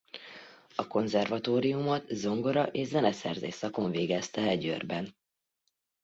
A konzervatóriumot zongora és zeneszerzés szakon végezte el Győrben.